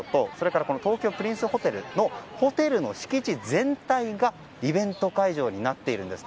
東京とプリンスホテルのホテルの敷地全体がイベント会場になっているんです。